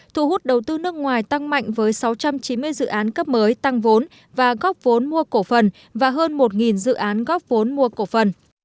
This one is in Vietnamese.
thu hút đầu tư nước ngoài tăng mạnh với sáu trăm chín mươi dự án cấp mới tăng vốn và góp vốn mua cổ phần và hơn một dự án góp vốn mua cổ phần